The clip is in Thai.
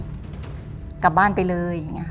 กลับบ้านไปเลย